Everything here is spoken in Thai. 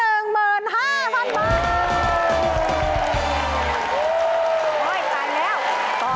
โอ้โฮตอนนี้แล้ว